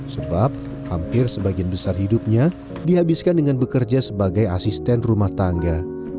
sebab hampir sebagian besar hidupnya dihabiskan dengan bekerja sebagai asisten rumah tangga